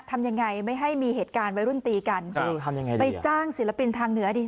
ทำยังไงไม่ให้มีเหตุการณ์วัยรุ่นตีกันทำยังไงดีไปจ้างศิลปินทางเหนือดี